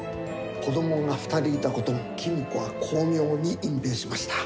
子どもが２人いたことも公子は巧妙に隠蔽しました。